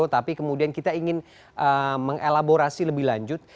tapi kemudian kita ingin mengelaborasi lebih lanjut